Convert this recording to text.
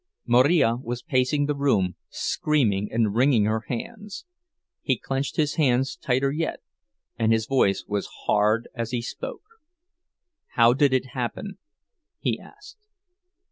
Marija was pacing the room, screaming and wringing her hands. He clenched his hands tighter yet, and his voice was hard as he spoke. "How did it happen?" he asked.